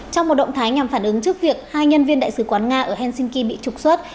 trong một động thái nhằm phản ứng trước việc hai nhân viên đại sứ quán nga ở helsinki bị trục xuất